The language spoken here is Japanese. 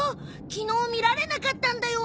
昨日見られなかったんだよ